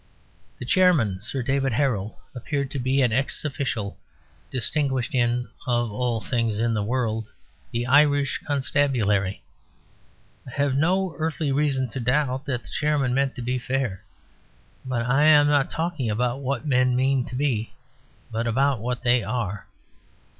The Chairman, Sir David Harrell, appeared to be an ex official distinguished in (of all things in the world) the Irish Constabulary. I have no earthly reason to doubt that the Chairman meant to be fair; but I am not talking about what men mean to be, but about what they are.